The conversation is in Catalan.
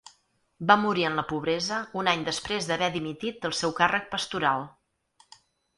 Va morir en la pobresa un any després d'haver dimitit del seu càrrec pastoral.